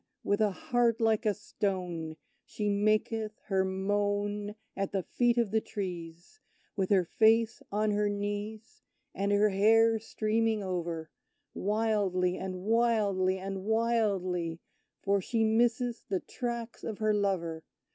With a heart like a stone, She maketh her moan At the feet of the trees, With her face on her knees, And her hair streaming over; Wildly, and wildly, and wildly; For she misses the tracks of her lover!